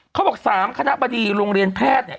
เขาบอก๓คณะบดีโรงเรียนแพทย์เนี่ย